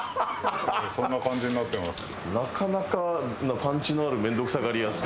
そんな感じになってます。